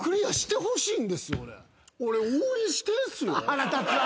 腹立つわ！